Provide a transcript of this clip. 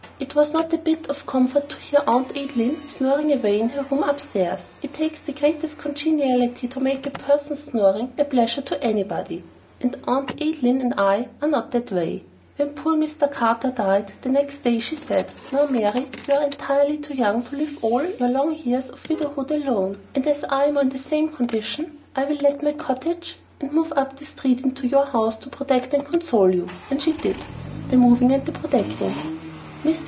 It was not a bit of comfort to hear Aunt Adeline snoring away in her room upstairs. It takes the greatest congeniality to make a person's snoring a pleasure to anybody, and Aunt Adeline and I are not that way. When poor Mr. Carter died, the next day she said, "Now, Mary, you are entirely too young to live all your long years of widowhood alone, and as I am in the same condition, I will let my cottage, and move up the street into your house to protect and console you." And she did the moving and the protecting. Mr.